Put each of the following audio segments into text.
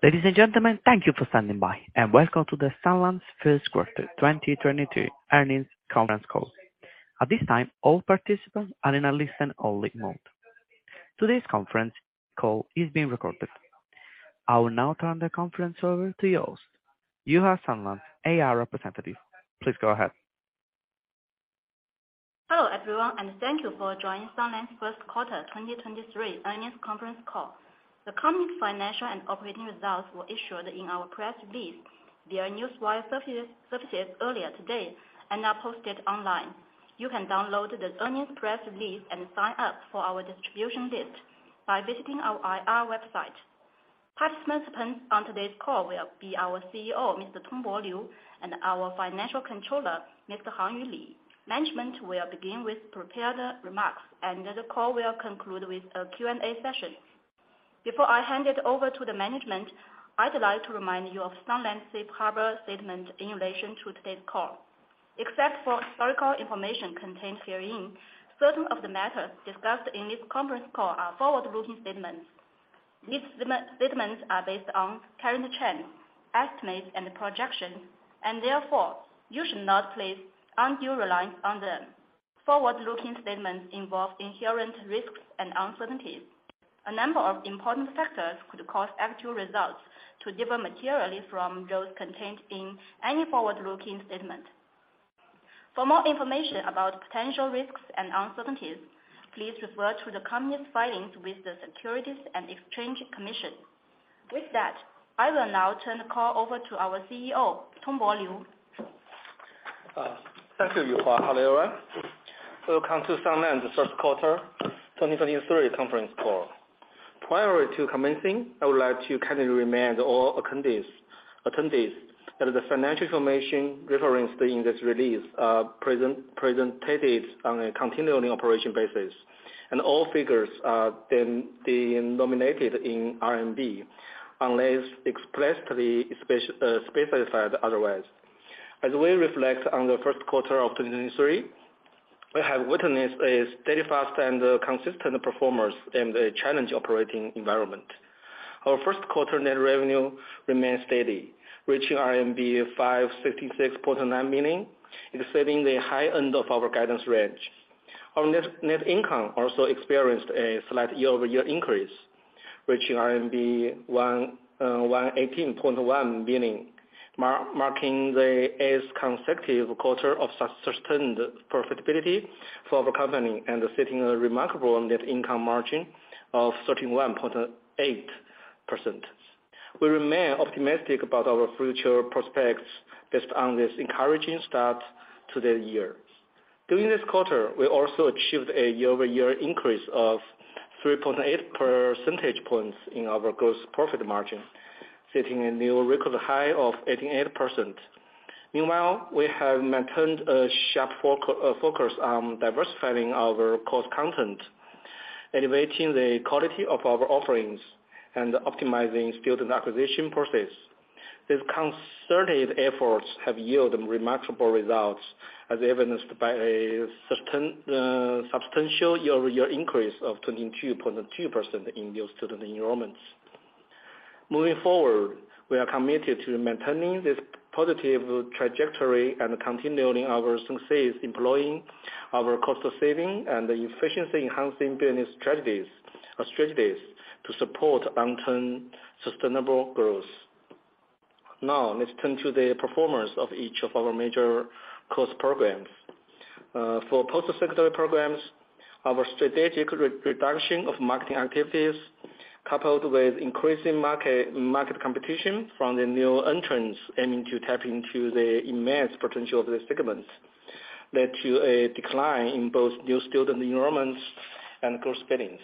Ladies and gentlemen, thank you for standing by, welcome to the Sunlands Q1 2022 earnings conference call. At this time, all participants are in a listen-only mode. Today's conference call is being recorded. I will now turn the conference over to your host, Yuhua Ye, Sunlands IR representative. Please go ahead. Hello, everyone, thank you for joining Sunlands Q1 2023 earnings conference call. The company's financial and operating results were issued in our press release via Newswire Services earlier today and are posted online. You can download the earnings press release and sign up for our distribution list by visiting our IR website. Participants on today's call will be our CEO, Mr. Tongbo Liu, and our Financial Controller, Mr. Hangyu Li. Management will begin with prepared remarks, and the call will conclude with a Q&A session. Before I hand it over to the management, I'd like to remind you of Sunlands safe harbor statement in relation to today's call. Except for historical information contained herein, certain of the matters discussed in this conference call are forward-looking statements. These statements are based on current trends, estimates, and projections, and therefore, you should not place undue reliance on them. Forward-looking statements involve inherent risks and uncertainties. A number of important factors could cause actual results to differ materially from those contained in any forward-looking statement. For more information about potential risks and uncertainties, please refer to the company's filings with the Securities and Exchange Commission. With that, I will now turn the call over to our CEO, Tongbo Liu. Thank you, Yuhua. Hello, everyone. Welcome to Sunlands Q1 2023 conference call. Prior to commencing, I would like to kindly remind all attendees that the financial information referenced in this release, presented on a continuing operation basis, and all figures are being denominated in RMB, unless explicitly specified otherwise. As we reflect on the Q1 of 2023, we have witnessed a steadfast and consistent performance in the challenging operating environment. Our Q1 net revenue remained steady, reaching RMB 566.9 million, exceeding the high end of our guidance range. Our net income also experienced a slight year-over-year increase, reaching RMB 118.1 million, marking the eighth consecutive quarter of sustained profitability for our company and setting a remarkable net income margin of 31.8%. We remain optimistic about our future prospects based on this encouraging start to the year. During this quarter, we also achieved a year-over-year increase of 3.8 percentage points in our gross profit margin, setting a new record high of 88%. Meanwhile, we have maintained a sharp focus on diversifying our course content, elevating the quality of our offerings, and optimizing student acquisition process. These concerted efforts have yielded remarkable results, as evidenced by a substantial year-over-year increase of 22.2% in new student enrollments. Moving forward, we are committed to maintaining this positive trajectory and continuing our success, employing our cost saving and efficiency-enhancing business strategies to support long-term sustainable growth. Let's turn to the performance of each of our major course programs. For post-secondary programs, our strategic reduction of marketing activities, coupled with increasing market competition from the new entrants aiming to tap into the immense potential of this segment, led to a decline in both new student enrollments and course billings.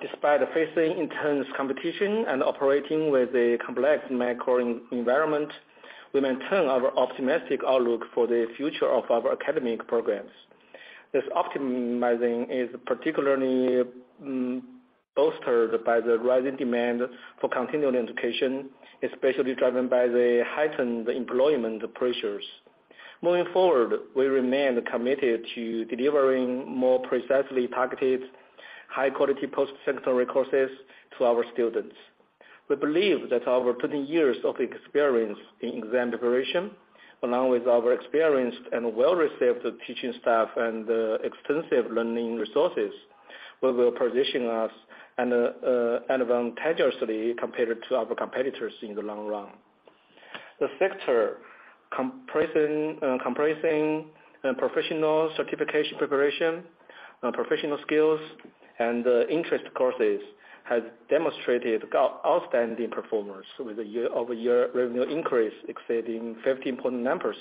Despite facing intense competition and operating with a complex macro environment, we maintain our optimistic outlook for the future of our academic programs. This optimizing is particularly bolstered by the rising demand for continuing education, especially driven by the heightened employment pressures. Moving forward, we remain committed to delivering more precisely targeted, high-quality post-secondary courses to our students. We believe that our 20 years of experience in exam preparation, along with our experienced and well-received teaching staff and extensive learning resources, will position us and advantageously compared to our competitors in the long run. The sector comprising professional certification preparation, professional skills, and interest courses, has demonstrated outstanding performance with a year-over-year revenue increase exceeding 15.9%.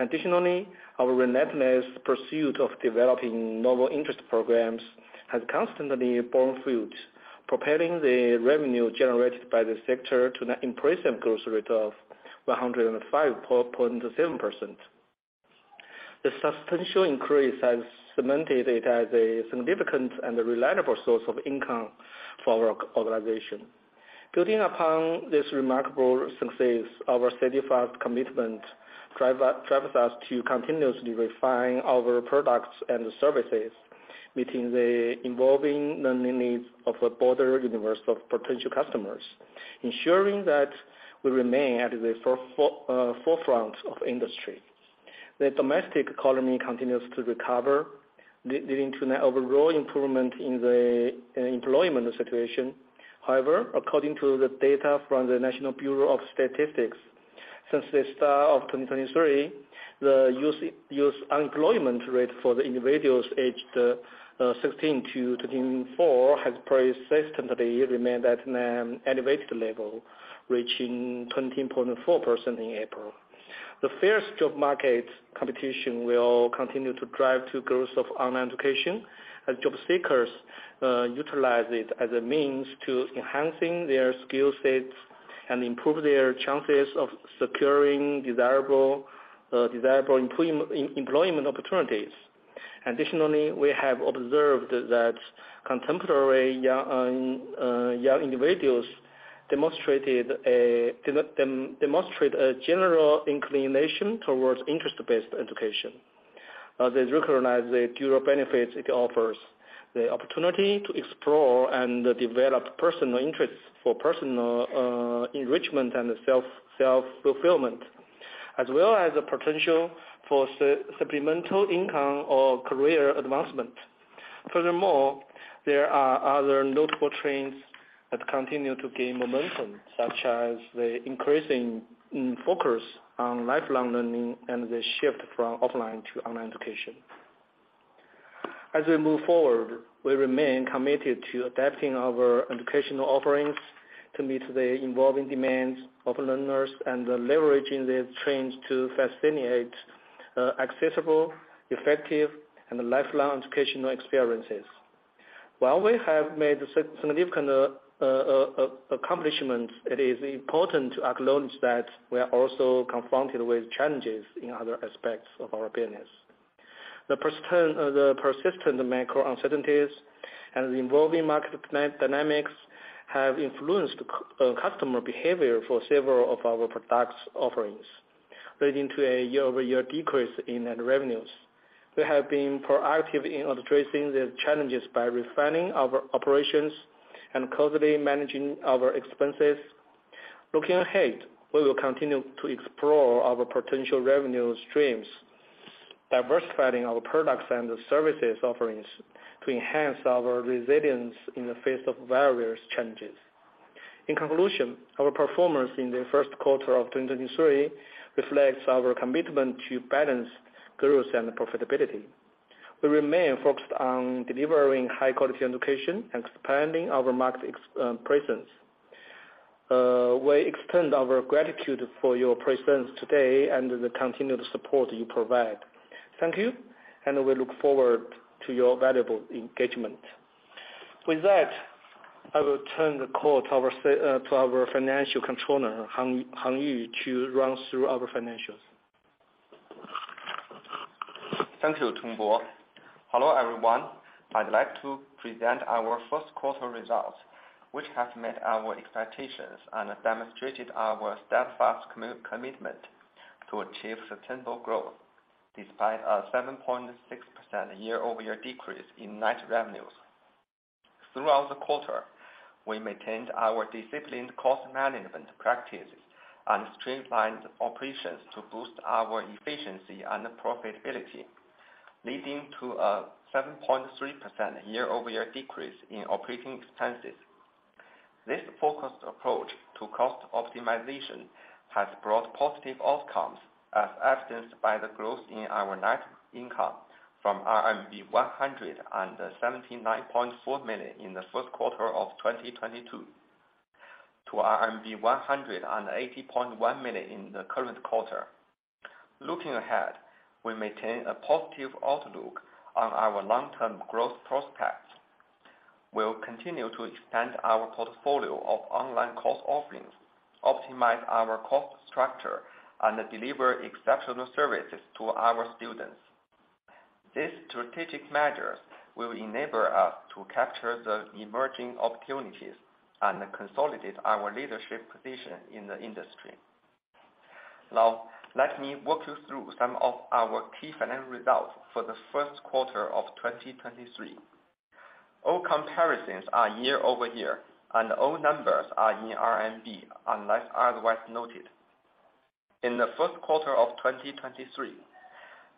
Additionally, our relentless pursuit of developing novel interest programs has constantly borne fruit, propelling the revenue generated by the sector to an impressive growth rate of 105.7%. The substantial increase has cemented it as a significant and reliable source of income for our organization. Building upon this remarkable success, our steadfast commitment drives us to continuously refine our products and services, meeting the evolving learning needs of a broader universe of potential customers, ensuring that we remain at the forefront of industry. The domestic economy continues to recover, leading to an overall improvement in the employment situation. According to the data from the National Bureau of Statistics, since the start of 2023, the youth unemployment rate for the individuals aged 16 - 24 has persistently remained at an elevated level, reaching 20.4% in April. The first job market competition will continue to drive the growth of online education, as job seekers utilize it as a means to enhancing their skill sets and improve their chances of securing desirable employment opportunities. We have observed that contemporary young individuals demonstrate a general inclination towards interest-based education. They recognize the dual benefits it offers: the opportunity to explore and develop personal interests for personal enrichment and self-fulfillment, as well as the potential for supplemental income or career advancement. Furthermore, there are other notable trends that continue to gain momentum, such as the increasing focus on lifelong learning and the shift from offline to online education. As we move forward, we remain committed to adapting our educational offerings to meet the evolving demands of learners and leveraging these trends to facilitate accessible, effective, and lifelong educational experiences. While we have made significant accomplishments, it is important to acknowledge that we are also confronted with challenges in other aspects of our business. The persistent macro uncertainties and the evolving market dynamics have influenced customer behavior for several of our products offerings, leading to a year-over-year decrease in net revenues. We have been proactive in addressing the challenges by refining our operations and closely managing our expenses. Looking ahead, we will continue to explore our potential revenue streams, diversifying our products and services offerings to enhance our resilience in the face of various challenges. In conclusion, our performance in the Q1 of 2023 reflects our commitment to balance growth and profitability. We remain focused on delivering high quality education and expanding our market presence. We extend our gratitude for your presence today and the continued support you provide. Thank you. We look forward to your valuable engagement. With that, I will turn the call to our Financial Controller, Hangyu, to run through our financials. Thank you, Tongbo. Hello, everyone. I'd like to present our Q1 results, which have met our expectations and demonstrated our steadfast commitment to achieve sustainable growth, despite a 7.6% year-over-year decrease in net revenues. Throughout the quarter, we maintained our disciplined cost management practices and streamlined operations to boost our efficiency and profitability, leading to a 7.3% year-over-year decrease in operating expenses. This focused approach to cost optimization has brought positive outcomes, as evidenced by the growth in our net income from RMB 179.4 million in the Q1 of 2022, to RMB 180.1 million in the current quarter. Looking ahead, we maintain a positive outlook on our long-term growth prospects. We'll continue to expand our portfolio of online course offerings, optimize our cost structure, and deliver exceptional services to our students. These strategic measures will enable us to capture the emerging opportunities and consolidate our leadership position in the industry. Now, let me walk you through some of our key financial results for the Q1 of 2023. All comparisons are year-over-year, and all numbers are in RMB, unless otherwise noted. In the Q1 of 2023,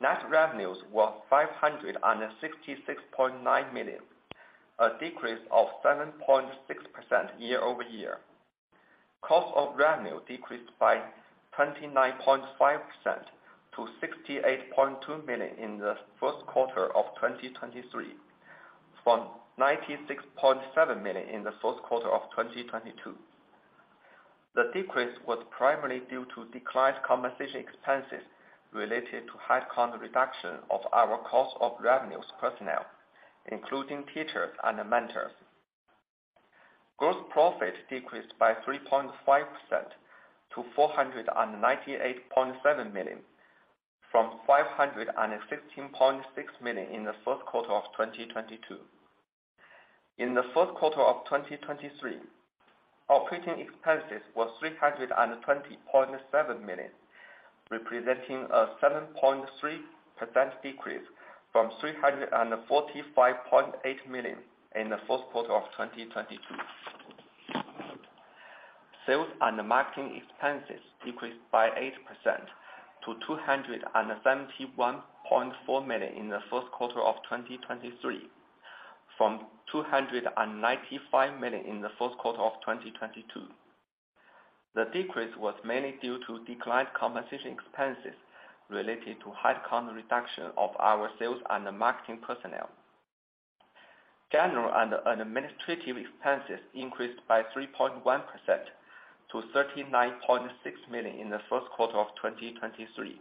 net revenues were 566.9 million, a decrease of 7.6% year-over-year. Cost of revenue decreased by 29.5% to 68.2 million in the Q1 of 2023, from 96.7 million in the Q1 of 2022. The decrease was primarily due to declined compensation expenses related to headcount reduction of our cost of revenues personnel, including teachers and mentors. Gross profit decreased by 3.5% to 498.7 million from 516.6 million in the Q1 of 2022. In the Q1 of 2023, operating expenses were 320.7 million, representing a 7.3% decrease from 345.8 million in the Q1 of 2022. Sales and marketing expenses decreased by 8% to 271.4 million in theQ1 of 2023, from 295 million in the Q1 of 2022. The decrease was mainly due to declined compensation expenses related to head count reduction of our sales and the marketing personnel. General and administrative expenses increased by 3.1% - to 31.6 million in the Q1 of 2023,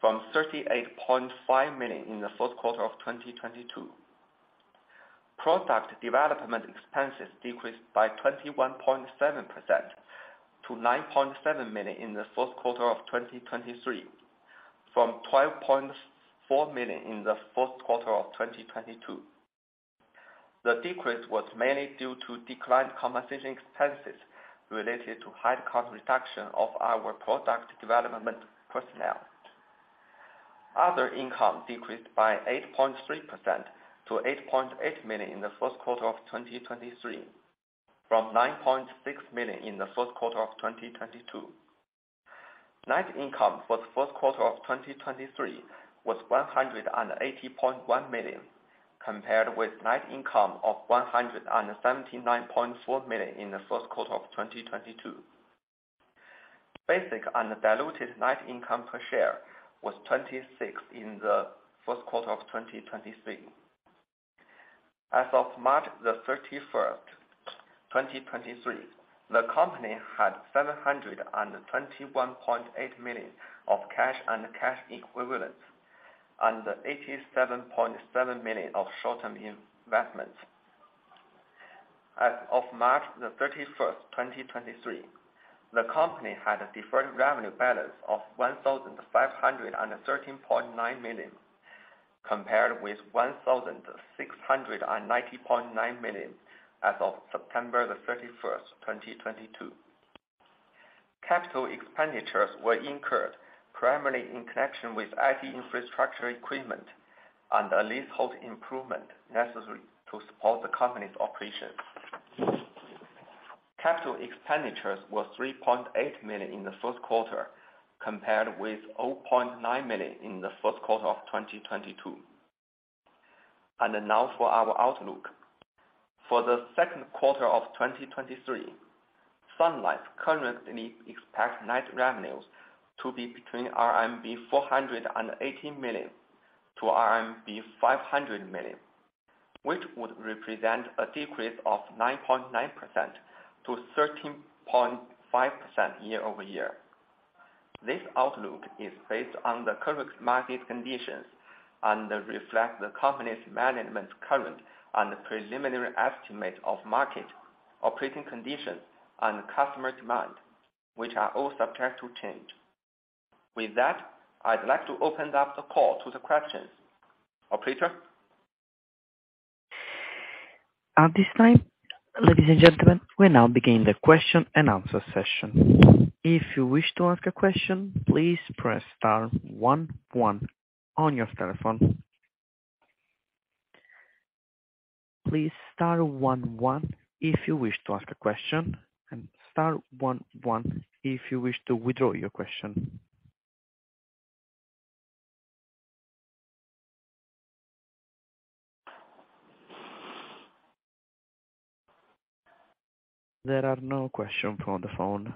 from 38.5 million in the Q1 of 2022. Product development expenses decreased by 21.7% - 9.7 million in the Q1 of 2023, from 12.4 million in the Q1 of 2022. The decrease was mainly due to declined compensation expenses related to head count reduction of our product development personnel. Other income decreased by 8.3% - to 8.8 million in the Q1 of 2023, from 9.6 million in the Q1 of 2022. Net income for the Q1 of 2023 was 180.1 million, compared with net income of 179.4 million in the Q1 of 2022. Basic and diluted net income per share was 26 in the Q1 of 2023. As of March 31st, 2023, the company had 721.8 million of cash and cash equivalents, and 87.7 million of short-term investments. As of March 31st, 2023, the company had a deferred revenue balance of 1,513.9 million, compared with 1,690.9 million as of September 31st, 2022. Capital expenditures were incurred primarily in connection with IT infrastructure equipment and a leasehold improvement necessary to support the company's operations. Capital expenditures were 3.8 million in the Q1, compared with 0.9 million in the Q1 of 2022. Now for our outlook. For the Q2 of 2023, Sunlands currently expects net revenues to be between 480 million-500 million RMB, which would represent a decrease of 9.9%-13.5% year-over-year. This outlook is based on the current market conditions and reflect the company's management's current and preliminary estimate of market, operating conditions, and customer demand, which are all subject to change. With that, I'd like to open up the call to the questions. Operator? At this time, ladies and gentlemen, we now begin the question and answer session. If you wish to ask a question, please press star one one on your telephone. Please star one one if you wish to ask a question, and star one one if you wish to withdraw your question. There are no questions on the phone.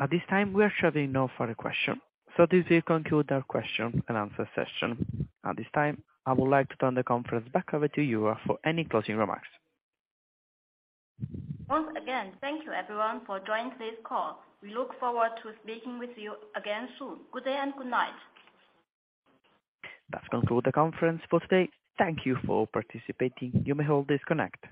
At this time, we are showing no further question, so this will conclude our question and answer session. At this time, I would like to turn the conference back over to you for any closing remarks. Once again, thank you everyone for joining today's call. We look forward to speaking with you again soon. Good day and good night. That concludes the conference for today. Thank you for participating. You may all disconnect.